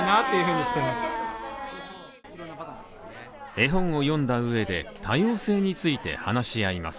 絵本を読んだ上で、多様性について話し合います。